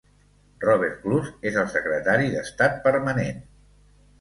Robert Kloos és el secretari d'estat permanent.